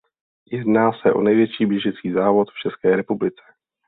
Jedná se o největší běžecký závod v České republice.